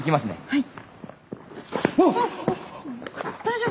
はい！